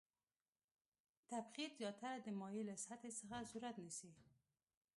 تبخیر زیاتره د مایع له سطحې څخه صورت نیسي.